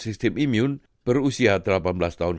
sistem imun berusia delapan belas tahun